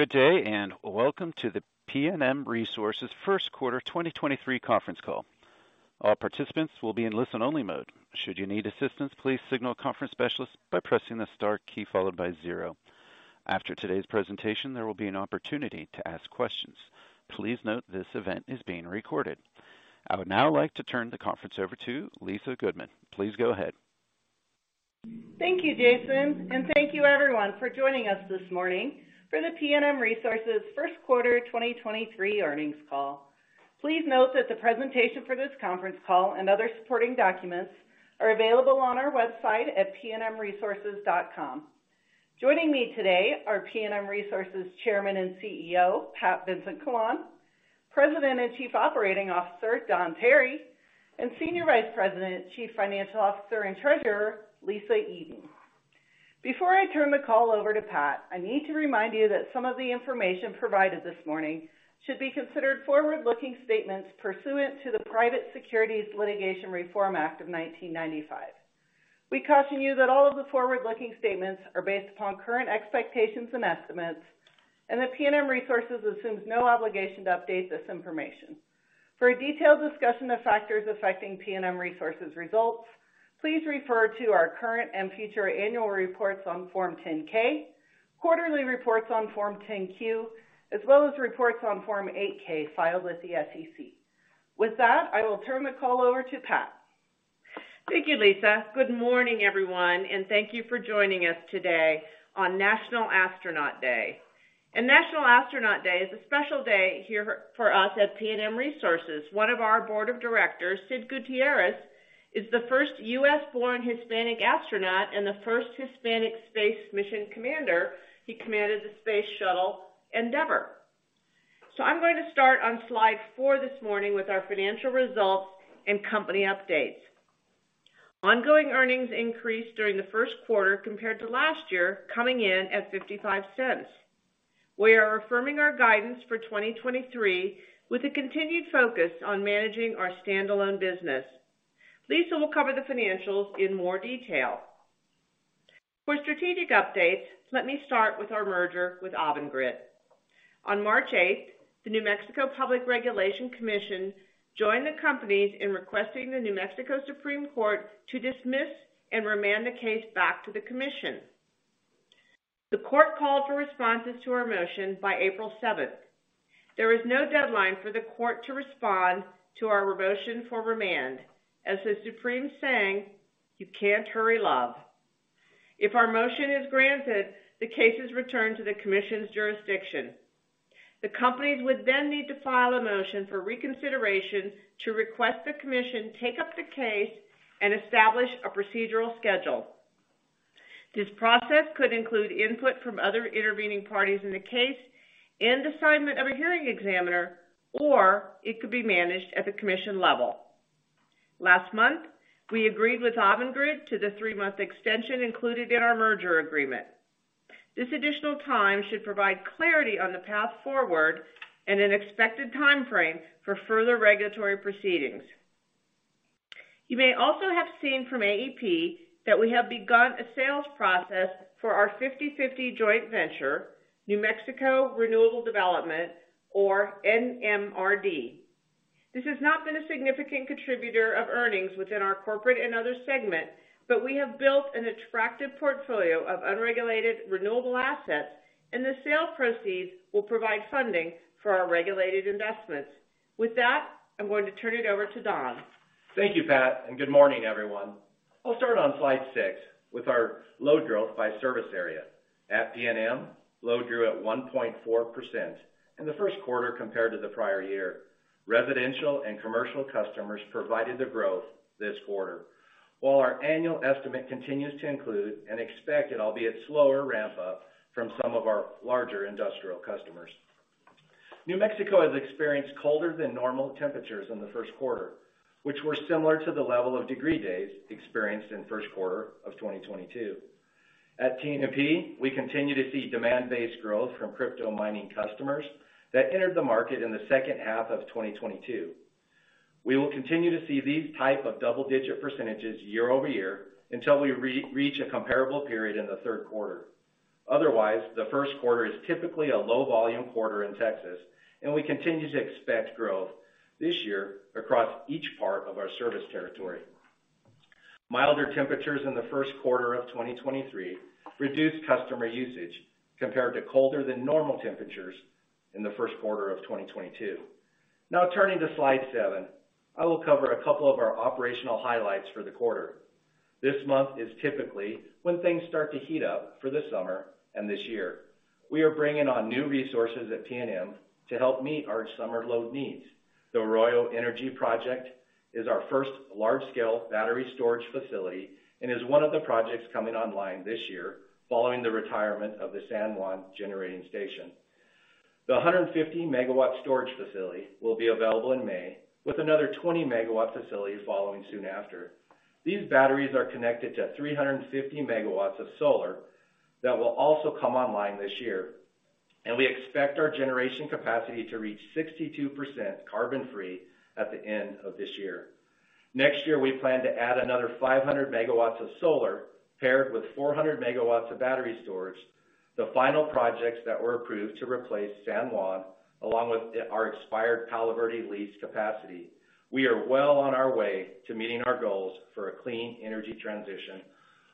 Good day. Welcome to the PNM Resources First Quarter 2023 Conference Call. All participants will be in listen-only mode. Should you need assistance, please signal a conference specialist by pressing the star key followed by zero. After today's presentation, there will be an opportunity to ask questions. Please note this event is being recorded. I would now like to turn the conference over to Lisa Goodman. Please go ahead. Thank you, Jason, and thank you everyone for joining us this morning for the PNM Resources first quarter 2023 earnings call. Please note that the presentation for this conference call and other supporting documents are available on our website at pnmresources.com. Joining me today are PNM Resources Chairman and CEO, Pat Vincent-Collawn, President and Chief Operating Officer, Don Tarry, and Senior Vice President, Chief Financial Officer, and Treasurer, Lisa Eden. Before I turn the call over to Pat, I need to remind you that some of the information provided this morning should be considered forward-looking statements pursuant to the Private Securities Litigation Reform Act of 1995. We caution you that all of the forward-looking statements are based upon current expectations and estimates and that PNM Resources assumes no obligation to update this information. For a detailed discussion of factors affecting PNM Resources results, please refer to our current and future annual reports on Form 10-K, quarterly reports on Form 10-Q, as well as reports on Form 8-K filed with the SEC. With that, I will turn the call over to Pat. Thank you, Lisa. Good morning, everyone, thank you for joining us today on National Astronaut Day. National Astronaut Day is a special day here for us at PNM Resources. One of our board of directors, Sid Gutierrez, is the first U.S.-born Hispanic astronaut and the first Hispanic space mission commander. He commanded the Space Shuttle Endeavour. I'm going to start on slide four this morning with our financial results and company updates. Ongoing earnings increased during the first quarter compared to last year, coming in at $0.55. We are affirming our guidance for 2023 with a continued focus on managing our standalone business. Lisa will cover the financials in more detail. For strategic updates, let me start with our merger with AVANGRID. On March eighth, the New Mexico Public Regulation Commission joined the companies in requesting the New Mexico Supreme Court to dismiss and remand the case back to the Commission. The court called for responses to our motion by April seventh. There is no deadline for the court to respond to our motion for remand, as the Supreme saying, You can't hurry love. If our motion is granted, the case is returned to the Commission's jurisdiction. The companies would need to file a motion for reconsideration to request the Commission take up the case and establish a procedural schedule. This process could include input from other intervening parties in the case and assignment of a hearing examiner, or it could be managed at the Commission level. Last month, we agreed with AVANGRID to the three-month extension included in our merger agreement. This additional time should provide clarity on the path forward and an expected timeframe for further regulatory proceedings. You may also have seen from AEP that we have begun a sales process for our 50/50 joint venture, New Mexico Renewable Development or NMRD. This has not been a significant contributor of earnings within our corporate and other segment. We have built an attractive portfolio of unregulated renewable assets, and the sale proceeds will provide funding for our regulated investments. With that, I'm going to turn it over to Don. Thank you, Pat, and good morning, everyone. I'll start on slide six with our Load Growth by service area. At PNM, load grew at 1.4% in the first quarter compared to the prior year. Residential and commercial customers provided the growth this quarter, while our annual estimate continues to include an expected, albeit slower, ramp-up from some of our larger industrial customers. New Mexico has experienced colder than normal temperatures in the first quarter, which were similar to the level of degree days experienced in first quarter of 2022. At TNMP, we continue to see demand-based growth from crypto mining customers that entered the market in the second half of 2022. We will continue to see these type of double-digit % year-over-year until we re-reach a comparable period in the third quarter. Otherwise, the first quarter is typically a low volume quarter in Texas, and we continue to expect growth this year across each part of our service territory. Milder temperatures in the first quarter of 2023 reduced customer usage compared to colder than normal temperatures in the first quarter of 2022. Now turning to slide seven, I will cover a couple of our operational highlights for the quarter. This month is typically when things start to heat up for the summer and this year. We are bringing on new resources at PNM to help meet our summer load needs. The Arroyo Energy Project is our first large-scale battery storage facility and is one of the projects coming online this year following the retirement of the San Juan Generating Station. The 150 MW storage facility will be available in May with another 20 MW facility following soon after. These batteries are connected to 350 MWs of solar that will also come online this year. We expect our generation capacity to reach 62% carbon-free at the end of this year. Next year, we plan to add another 500 MWs of solar paired with 400 MWs of battery storage, the final projects that were approved to replace San Juan, along with our expired Palo Verde lease capacity. We are well on our way to meeting our goals for a clean energy transition,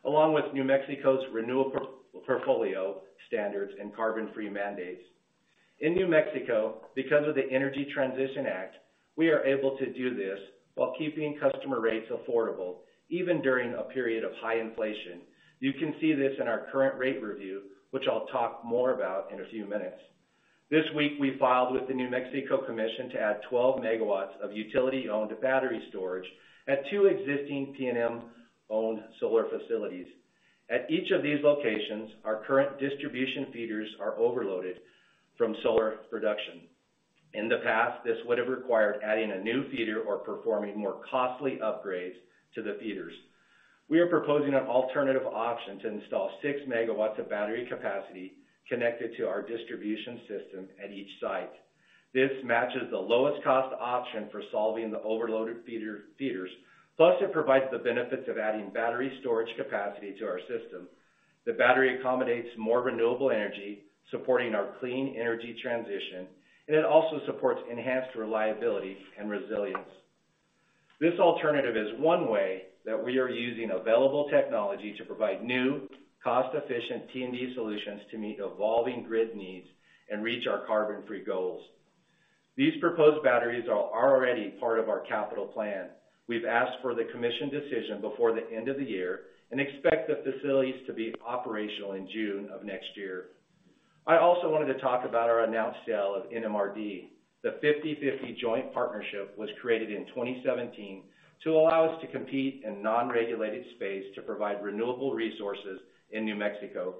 along with New Mexico's renewable portfolio standards and carbon-free mandates. In New Mexico, because of the Energy Transition Act, we are able to do this while keeping customer rates affordable, even during a period of high inflation. You can see this in our current rate review, which I'll talk more about in a few minutes. This week, we filed with the New Mexico Commission to add 12 MW of utility-owned battery storage at two existing PNM-owned solar facilities. At each of these locations, our current distribution feeders are overloaded from solar production. In the past, this would have required adding a new feeder or performing more costly upgrades to the feeders. We are proposing an alternative option to install six MW of battery capacity connected to our distribution system at each site. This matches the lowest cost option for solving the overloaded feeders, plus it provides the benefits of adding battery storage capacity to our system. The battery accommodates more renewable energy supporting our clean energy transition, it also supports enhanced reliability and resilience. This alternative is one way that we are using available technology to provide new, cost-efficient T&D solutions to meet evolving grid needs and reach our carbon-free goals. These proposed batteries are already part of our capital plan. We've asked for the Commission decision before the end of the year and expect the facilities to be operational in June of next year. I also wanted to talk about our announced sale of NMRD. The 50/50 joint partnership was created in 2017 to allow us to compete in non-regulated space to provide renewable resources in New Mexico.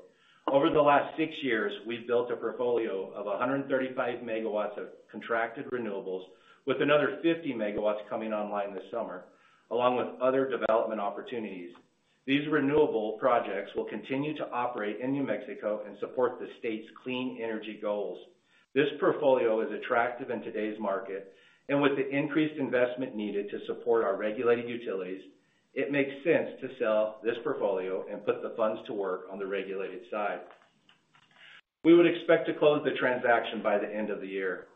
Over the last six years, we've built a portfolio of 135 MW of contracted renewables with another 50 MW coming online this summer, along with other development opportunities. These renewable projects will continue to operate in New Mexico and support the state's clean energy goals. This portfolio is attractive in today's market, and with the increased investment needed to support our regulated utilities, it makes sense to sell this portfolio and put the funds to work on the regulated side. We would expect to close the transaction by the end of the year.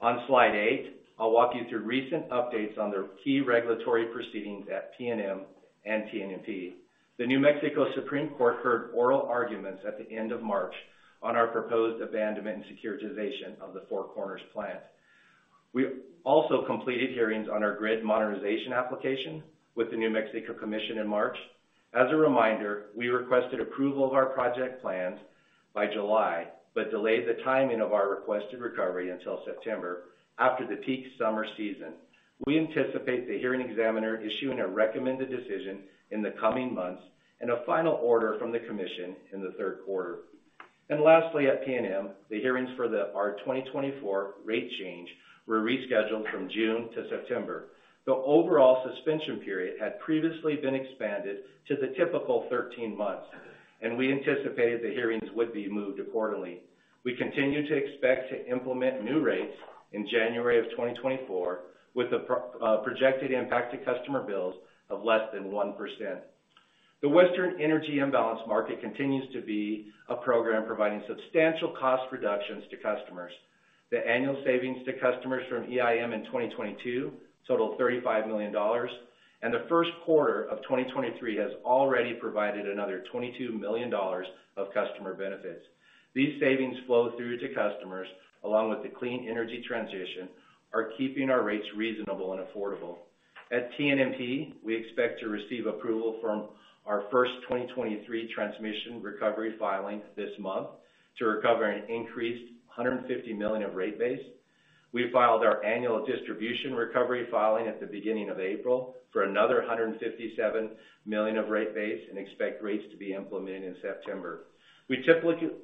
On slide eight, I'll walk you through recent updates on the key regulatory proceedings at PNM and TNMP. The New Mexico Supreme Court heard oral arguments at the end of March on our proposed abandonment and securitization of the Four Corners plant. We also completed hearings on our grid modernization application with the New Mexico Commission in March. As a reminder, we requested approval of our project plans by July, but delayed the timing of our requested recovery until September after the peak summer season. We anticipate the hearing examiner issuing a recommended decision in the coming months and a final order from the Commission in the third quarter. Lastly, at PNM, the hearings for our 2024 rate change were rescheduled from June to September. The overall suspension period had previously been expanded to the typical 13 months. We anticipated the hearings would be moved accordingly. We continue to expect to implement new rates in January of 2024, with the projected impact to customer bills of less than 1%. The Western Energy Imbalance Market continues to be a program providing substantial cost reductions to customers. The annual savings to customers from EIM in 2022 totaled $35 million. The first quarter of 2023 has already provided another $22 million of customer benefits. These savings flow through to customers, along with the clean energy transition, are keeping our rates reasonable and affordable. At TNMP, we expect to receive approval from our first 2023 transmission recovery filing this month to recover an increased $150 million of Rate Base. We filed our annual distribution recovery filing at the beginning of April for another $157 million of Rate Base and expect rates to be implemented in September. We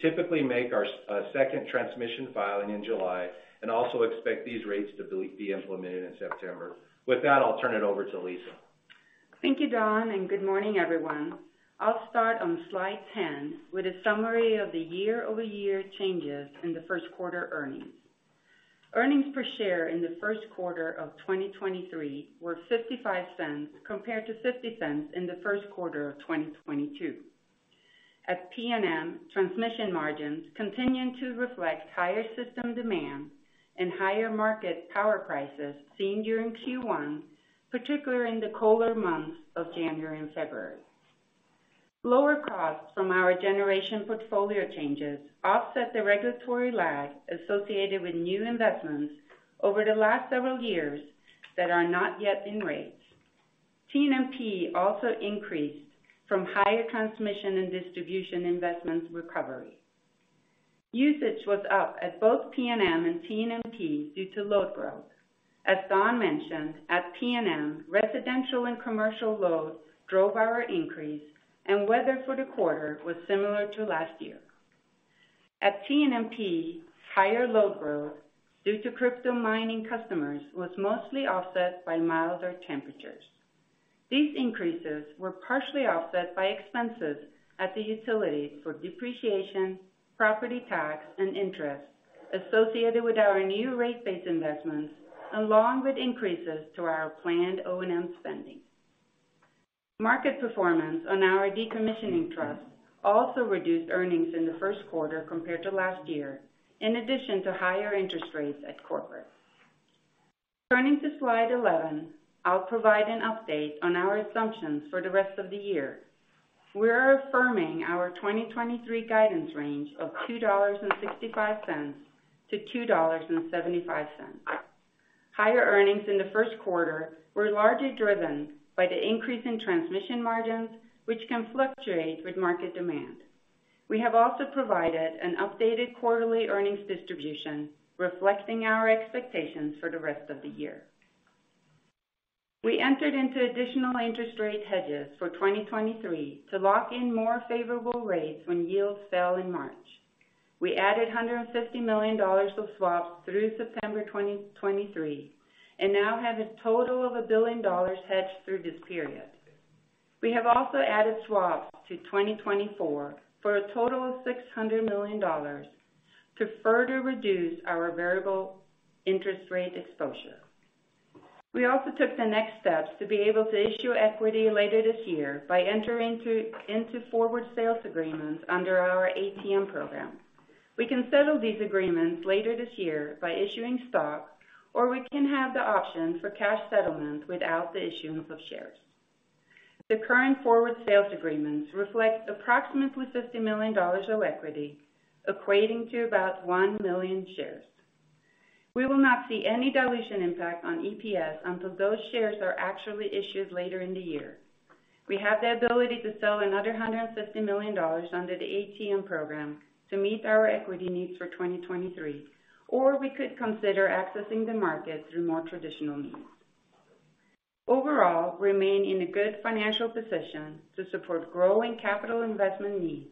typically make our second transmission filing in July and also expect these rates to be implemented in September. With that, I'll turn it over to Lisa. Thank you, Don. Good morning, everyone. I'll start on slide 10 with a summary of the year-over-year changes in the first quarter earnings. Earnings per share in the first quarter of 2023 were $0.55 compared to $0.50 in the first quarter of 2022. At PNM, transmission margins continued to reflect higher system demand and higher market power prices seen during Q1, particularly in the colder months of January and February. Lower costs from our generation portfolio changes offset the regulatory lag associated with new investments over the last several years that are not yet in rates. TNMP also increased from higher transmission and distribution investments recovery. Usage was up at both PNM and TNMP due to Load Growth. As Don mentioned, at PNM, residential and commercial loads drove our increase and weather for the quarter was similar to last year. At TNMP, higher Load Growth due to crypto mining customers was mostly offset by milder temperatures. These increases were partially offset by expenses at the utilities for depreciation, property tax, and interest associated with our new rate-based investments, along with increases to our planned O&M spending. Market performance on our decommissioning trust also reduced earnings in the first quarter compared to last year, in addition to higher interest rates at corporate. Turning to slide 11, I'll provide an update on our assumptions for the rest of the year. We are affirming our 2023 guidance range of $2.65-$2.75. Higher earnings in the first quarter were largely driven by the increase in transmission margins, which can fluctuate with market demand. We have also provided an updated quarterly earnings distribution reflecting our expectations for the rest of the year. We entered into additional interest rate hedges for 2023 to lock in more favorable rates when yields fell in March. We added $150 million of swaps through September 2023, and now have a total of $1 billion hedged through this period. We have also added swaps to 2024 for a total of $600 million to further reduce our variable interest rate exposure. We also took the next steps to be able to issue equity later this year by into forward sales agreements under our ATM program. We can settle these agreements later this year by issuing stock, or we can have the option for cash settlements without the issuance of shares. The current forward sales agreements reflect approximately $50 million of equity, equating to about 1 million shares. We will not see any dilution impact on EPS until those shares are actually issued later in the year. We have the ability to sell another $150 million under the ATM program to meet our equity needs for 2023, or we could consider accessing the market through more traditional means. Overall, remain in a good financial position to support growing capital investment needs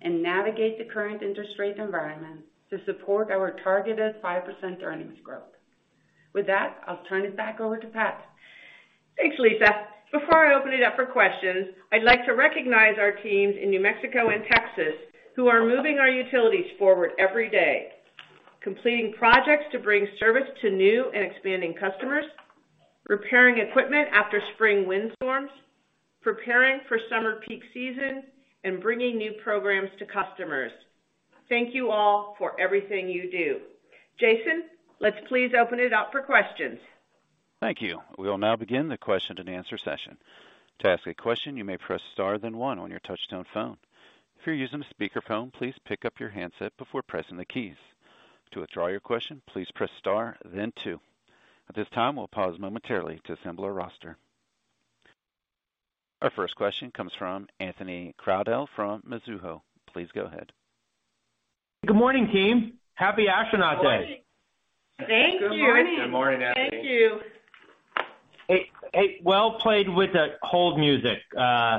and navigate the current interest rate environment to support our targeted 5% earnings growth. With that, I'll turn it back over to Pat. Thanks, Lisa. Before I open it up for questions, I'd like to recognize our teams in New Mexico and Texas who are moving our utilities forward every day, completing projects to bring service to new and expanding customers, repairing equipment after spring windstorms, preparing for summer peak season, and bringing new programs to customers. Thank you all for everything you do. Jason, let's please open it up for questions. Thank you. We'll now begin the question and answer session. To ask a question, you may press star then one on your touch-tone phone. If you're using a speakerphone, please pick up your handset before pressing the keys. To withdraw your question, please press star then two. At this time, we'll pause momentarily to assemble our roster. Our first question comes from Anthony Crowdell from Mizuho. Please go ahead. Good morning, team. Happy Astronaut Day. Thank you. Good morning. Good morning, Anthony. Thank you. Hey, hey, well played with the hold music. Can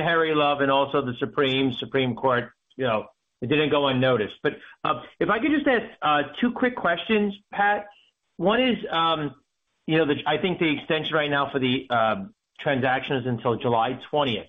Harry Love and also the New Mexico Supreme Court, you know, it didn't go unnoticed. If I could just ask two quick questions, Pat Vincent-Collawn. One is, you know, the I think the extension right now for the transaction is until July 20th.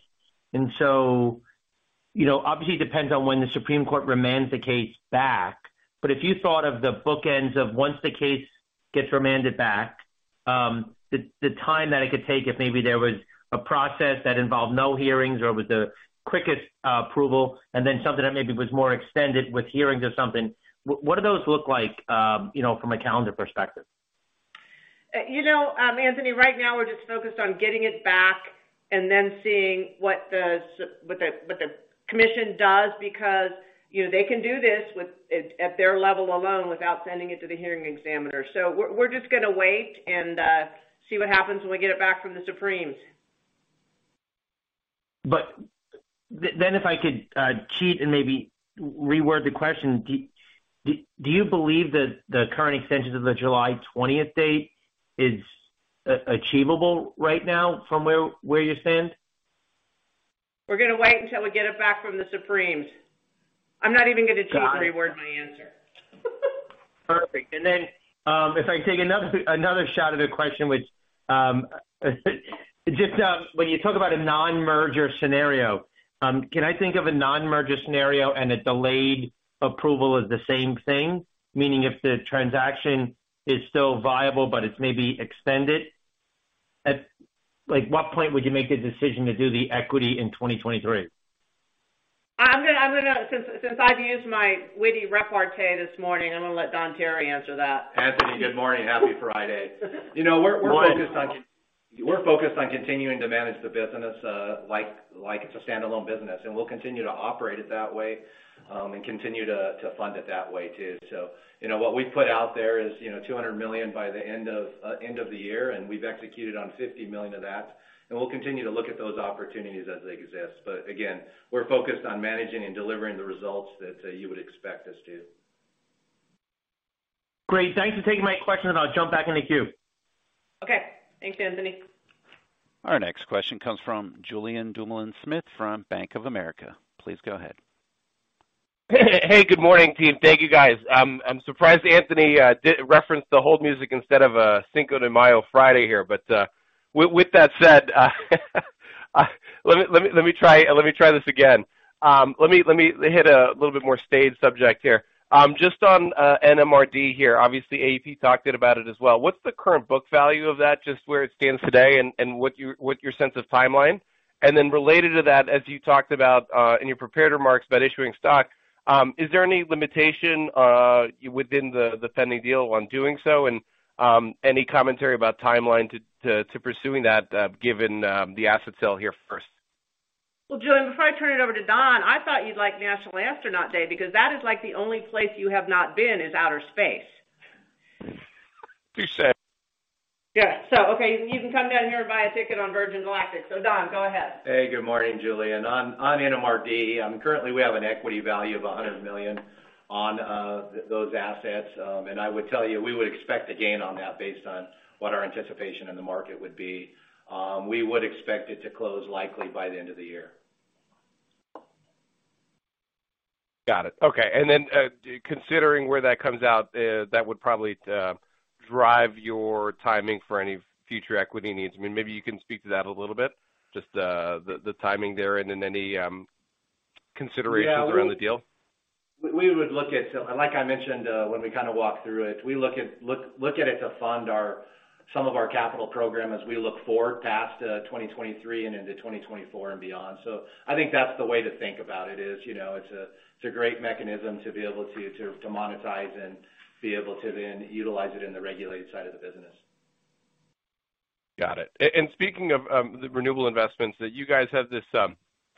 You know, obviously depends on when the New Mexico Supreme Court remands the case back. If you thought of the bookends of once the case gets remanded back, the time that it could take if maybe there was a process that involved no hearings or with the quickest approval and then something that maybe was more extended with hearings or something, what do those look like, you know, from a calendar perspective? You know, Anthony, right now we're just focused on getting it back and then seeing what the Commission does because, you know, they can do this at their level alone without sending it to the hearing examiner. We're just gonna wait and see what happens when we get it back from the Supremes. Then if I could, cheat and maybe reword the question. Do you believe that the current extension of the July 20th date is achievable right now from where you stand? We're gonna wait until we get it back from the Supremes. I'm not even gonna cheat or reword my answer. Perfect. Then, if I take another shot at a question, which, when you talk about a non-merger scenario, can I think of a non-merger scenario and a delayed approval as the same thing? Meaning if the transaction is still viable, but it's maybe extended. What point would you make the decision to do the equity in 2023? Since I've used my witty repartee this morning, I'm gonna let Don Tarry answer that. Anthony, good morning. Happy Friday. You know, we're focused on. One- We're focused on continuing to manage the business, like it's a standalone business, and we'll continue to operate it that way, and continue to fund it that way too. You know, what we put out there is, you know, $200 million by the end of the year, and we've executed on $50 million of that. We'll continue to look at those opportunities as they exist. Again, we're focused on managing and delivering the results that you would expect us to. Great. Thanks for taking my questions. I'll jump back in the queue. Okay. Thanks, Anthony. Our next question comes from Julien Dumoulin-Smith from Bank of America. Please go ahead. Hey, good morning, team. Thank you, guys. I'm surprised Anthony did reference the hold music instead of Cinco de Mayo Friday here. With that said, let me try this again. Let me hit a little bit more staid subject here. Just on NMRD here. Obviously, AEP talked it about it as well. What's the current book value of that, just where it stands today, and what your sense of timeline? Related to that, as you talked about in your prepared remarks about issuing stock, is there any limitation within the pending deal on doing so, and any commentary about timeline to pursuing that given the asset sale here first? Well, Julien, before I turn it over to Don, I thought you'd like National Astronaut Day because that is like the only place you have not been is outer space. Touche. Yeah. Okay. You can come down here and buy a ticket on Virgin Galactic. Don, go ahead. Hey, good morning, Julien. On NMRD, currently we have an equity value of $100 million on those assets. I would tell you, we would expect a gain on that based on what our anticipation in the market would be. We would expect it to close likely by the end of the year. Got it. Okay. Considering where that comes out, that would probably drive your timing for any future equity needs. I mean, maybe you can speak to that a little bit, just the timing there and then any considerations around the deal. Yeah. We would look at it, like I mentioned when we kind of walk through it, to fund our some of our capital program as we look forward past 2023 and into 2024 and beyond. I think that's the way to think about it is, you know, it's a great mechanism to be able to monetize and be able to then utilize it in the regulated side of the business. Got it. Speaking of, the renewable investments that you guys have this,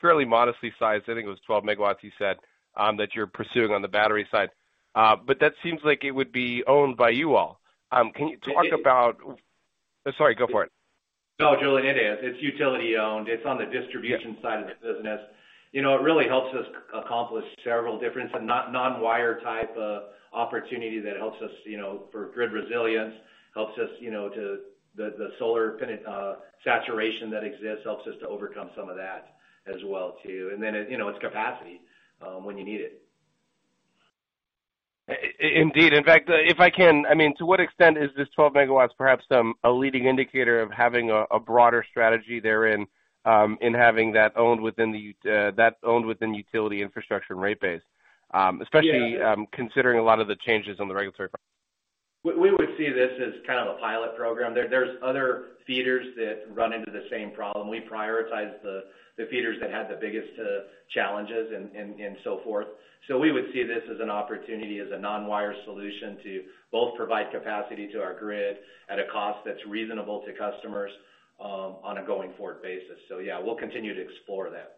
fairly modestly sized, I think it was 12 MWs you said, that you're pursuing on the battery side. That seems like it would be owned by you all. Can you talk about. It is- Sorry, go for it. No, Julien. It is. It's utility owned. It's on the distribution side of the business. You know, it really helps us accomplish several different and not non-wire type of opportunity that helps us, you know, for grid resilience. Helps us, you know, to the solar saturation that exists, helps us to overcome some of that as well too. You know, it's capacity when you need it. Indeed. In fact, if I can, I mean, to what extent is this 12 MWs perhaps a leading indicator of having a broader strategy there in having that owned within that's owned within utility infrastructure and Rate Base? especially. Yeah... considering a lot of the changes on the regulatory front. We would see this as kind of a pilot program. There's other feeders that run into the same problem. We prioritize the feeders that had the biggest challenges and so forth. We would see this as an opportunity, as a non-wire solution to both provide capacity to our grid at a cost that's reasonable to customers on a going forward basis. Yeah, we'll continue to explore that.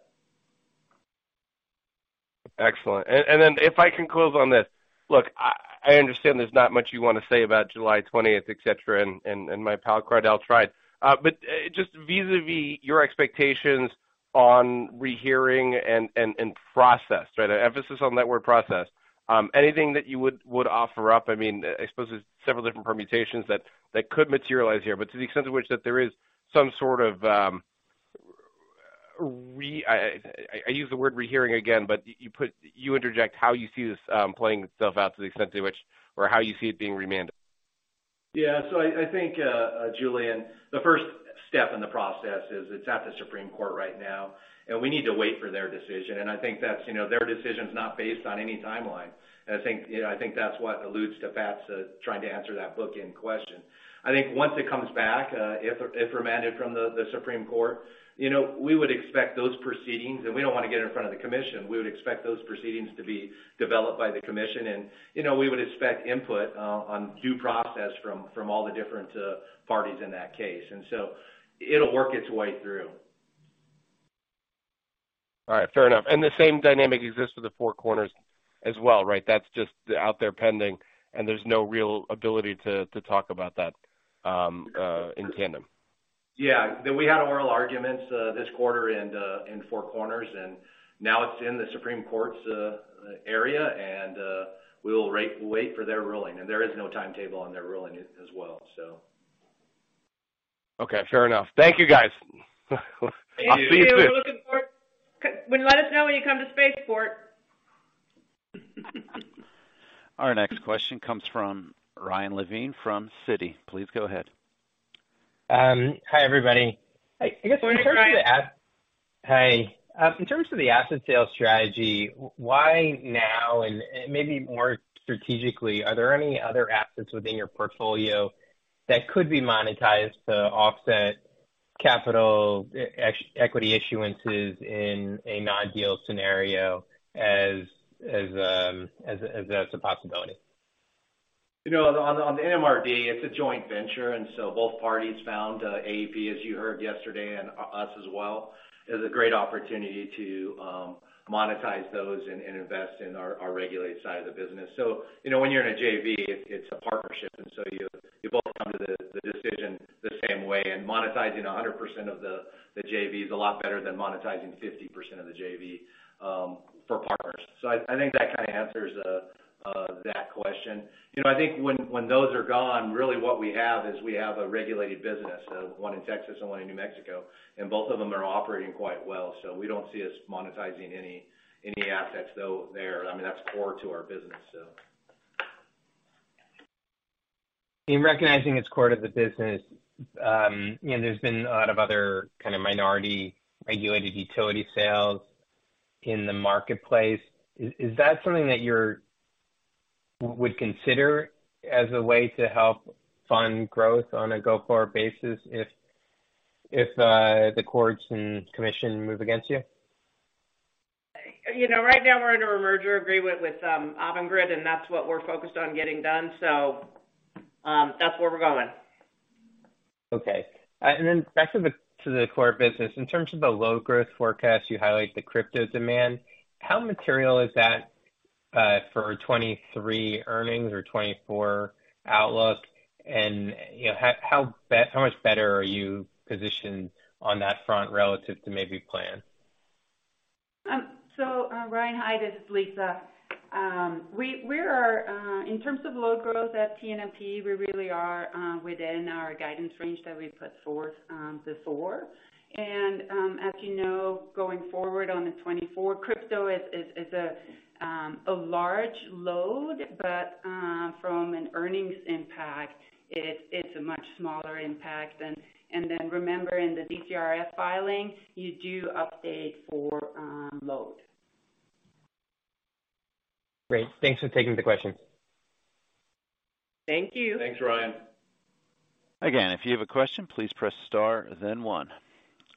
Excellent. Then if I can close on this. Look, I understand there's not much you want to say about July 20th, et cetera, and my pal Crowdell tried. Just vis-à-vis your expectations on rehearing and process, right? Emphasis on that word process. Anything that you would offer up? I mean, I suppose there's several different permutations that could materialize here, but to the extent to which that there is some sort of, I use the word rehearing again, but you interject how you see this playing itself out to the extent to which or how you see it being remanded. I think, Julien, the first step in the process is it's at the Supreme Court right now, and we need to wait for their decision. I think that's, you know, their decision is not based on any timeline. I think, you know, I think that's what alludes to Pat Vincent-Collawn's trying to answer that book end question. I think once it comes back, if remanded from the Supreme Court, you know, we would expect those proceedings. We don't want to get in front of the Commission. We would expect those proceedings to be developed by the Commission and, you know, we would expect input on due process from all the different parties in that case. It'll work its way through. All right. Fair enough. The same dynamic exists with the Four Corners as well, right? That's just out there pending, and there's no real ability to talk about that in tandem. Yeah. We had oral arguments, this quarter in Four Corners, and now it's in the Supreme Court's area, and, we will wait for their ruling. There is no timetable on their ruling as well, so. Okay. Fair enough. Thank you, guys. Thank you. Thank you. Let us know when you come to Spaceport. Our next question comes from Ryan Levine from Citi. Please go ahead. Hi, everybody. I guess in terms of. Hi, Ryan. Hey. In terms of the asset sale strategy, why now, and maybe more strategically, are there any other assets within your portfolio that could be monetized to offset capital equity issuances in a non-deal scenario as a possibility? You know, on the, on the NMRD, it's a joint venture. Both parties found AEP, as you heard yesterday, and us as well, is a great opportunity to monetize those and invest in our regulated side of the business. You know, when you're in a JV, it's a partnership. You both come to the decision the same way. Monetizing 100% of the JV is a lot better than monetizing 50% of the JV for partners. I think that kind of answers that question. You know, I think when those are gone, really what we have is we have a regulated business, one in Texas and one in New Mexico, and both of them are operating quite well. We don't see us monetizing any assets though there. I mean, that's core to our business, so. In recognizing its core to the business, you know, there's been a lot of other kind of minority regulated utility sales in the marketplace. Is that something that would consider as a way to help fund growth on a go-forward basis if the courts and Commission move against you? You know, right now we're under a merger agreement with AVANGRID, and that's what we're focused on getting done. That's where we're going. Okay. Then back to the core business. In terms of the Load Growth forecast, you highlight the crypto demand. How material is that for 2023 earnings or 2024 outlook? You know, how much better are you positioned on that front relative to maybe plan? Ryan, hi, this is Lisa. We are in terms of Load Growth at TNMP, we really are within our guidance range that we put forth before. As you know, going forward on the 2024 crypto is a large load but from an earnings impact, it's a much smaller impact. Then remember, in the DCRF filing, you do update for load. Great. Thanks for taking the question. Thank you. Thanks, Ryan. Again, if you have a question, please press star then one.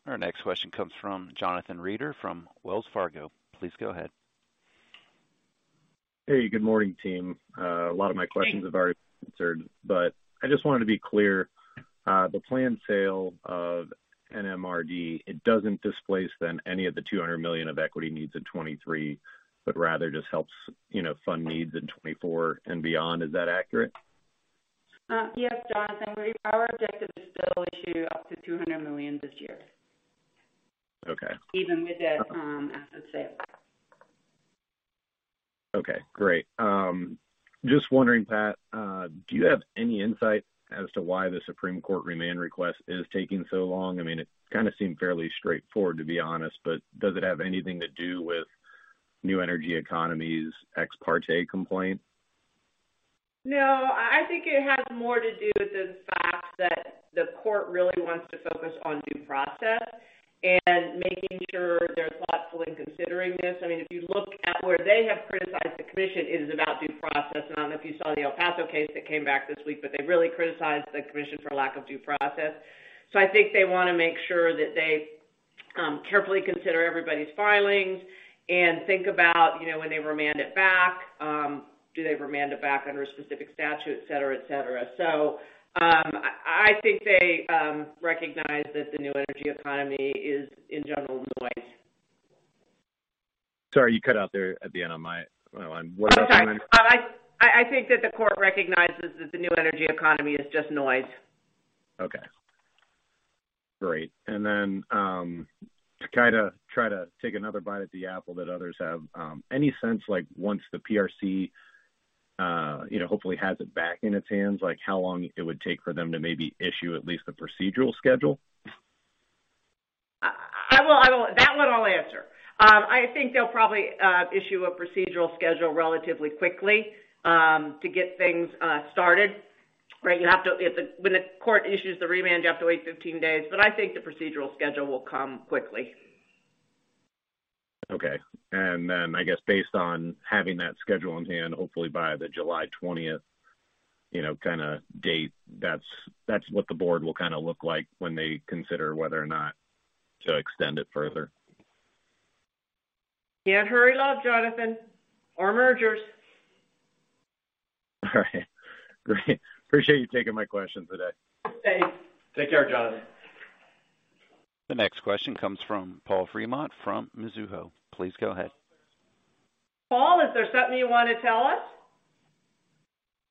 Our next question comes from Jonathan Reeder from Wells Fargo. Please go ahead. Good morning, team. A lot of my questions have already been answered, but I just wanted to be clear. The planned sale of NMRD, it doesn't displace then any of the $200 million of equity needs in 2023, but rather just helps, you know, fund needs in 2024 and beyond. Is that accurate? Yes, Jonathan. Our objective is to issue up to $200 million this year. Okay. Even with that, asset sale. Okay, great. Just wondering, Pat, do you have any insight as to why the Supreme Court remand request is taking so long? I mean, it kinda seemed fairly straightforward, to be honest, but does it have anything to do with New Energy Economy's ex parte complaint? No, I think it has more to do with the fact that the court really wants to focus on due process and making sure they're thoughtful in considering this. I mean, if you look at where they have criticized the Commission, it is about due process. I don't know if you saw the El Paso case that came back this week, but they really criticized the Commission for lack of due process. I think they wanna make sure that they carefully consider everybody's filings and think about, you know, when they remand it back, do they remand it back under a specific statute, et cetera, et cetera. I think they recognize that the New Energy Economy is, in general, noise. Sorry, you cut out there at the end on my line. What was that? Oh, sorry. I think that the court recognizes that the New Energy Economy is just noise. Okay, great. To kind of try to take another bite at the apple that others have, any sense like once the PRC, you know, hopefully has it back in its hands, like how long it would take for them to maybe issue at least a procedural schedule? That one I'll answer. I think they'll probably issue a procedural schedule relatively quickly to get things started, right? When the court issues the remand, you have to wait 15 days, I think the procedural schedule will come quickly. Okay. Then I guess based on having that schedule in hand, hopefully by the July 20th, you know, kinda date, that's what the board will kinda look like when they consider whether or not to extend it further. Can't hurry love, Jonathan, or mergers. All right, great. Appreciate you taking my question today. Thanks. Take care, Jonathan. The next question comes from Paul Fremont from Mizuho. Please go ahead. Paul, is there something you wanna tell us?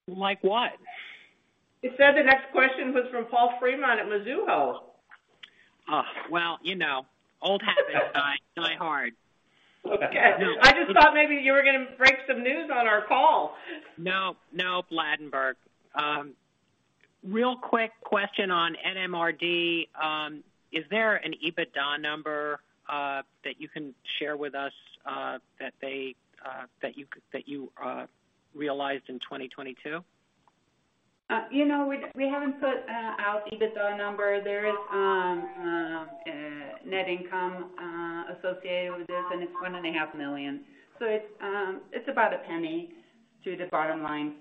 Like what? It said the next question was from Paul Fremont at Mizuho. Oh, well, you know, old habits die hard. Okay. I just thought maybe you were gonna break some news on our call. No, [Ladenberg. Real quick question on NMRD. Is there an EBITDA number that you can share with us that they that you realized in 2022? You know, we haven't put out EBITDA number. There is net income associated with this, and it's one and a half million. It's about $0.01 to the bottom line,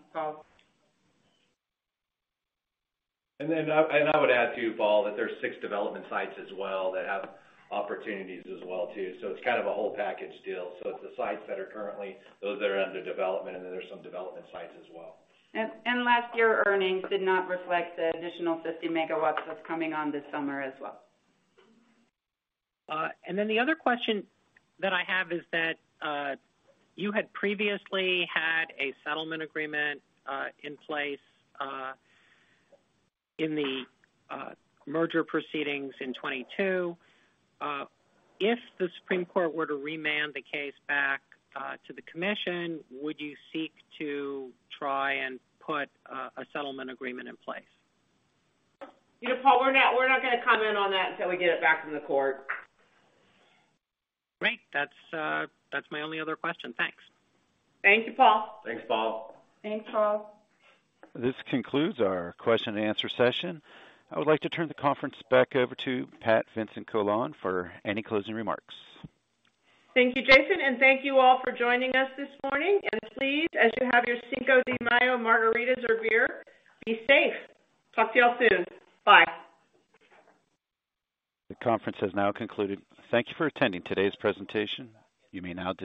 Paul. I would add too, Paul, that there's six development sites as well that have opportunities as well too. It's kind of a whole package deal. It's the sites that are currently those that are under development, and then there's some development sites as well. last year earnings did not reflect the additional 50 MWs that's coming on this summer as well. The other question that I have is that, you had previously had a settlement agreement, in place, in the merger proceedings in 2022. If the Supreme Court were to remand the case back to the Commission, would you seek to try and put a settlement agreement in place? You know, Paul, we're not gonna comment on that until we get it back from the court. Great. That's my only other question. Thanks. Thank you, Paul. Thanks, Paul. Thanks, Paul. This concludes our question and answer session. I would like to turn the conference back over to Pat Vincent-Collawn for any closing remarks. Thank you, Jason, and thank you all for joining us this morning. Please, as you have your Cinco de Mayo margaritas or beer, be safe. Talk to you all soon. Bye. The conference has now concluded. Thank you for attending today's presentation. You may now disconnect.